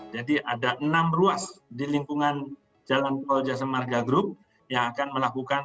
jadi ada enam ruas di lingkungan jalan tol jasa marga group yang akan melakukan